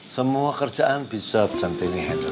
semua kerjaan bisa centini handle